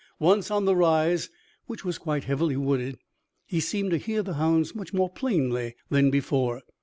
Once on the rise, which was quite heavily wooded, he seemed to hear the hounds much more plainly than before.